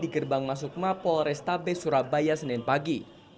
gerbang masuk mapol restabe surabaya senin pagi